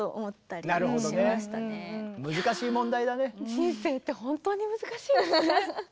人生って本当に難しいですね。